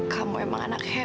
kamu emang anak hebat